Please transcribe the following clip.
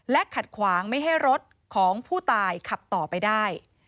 ขัดขวางไม่ให้รถของผู้ตายขับต่อไปได้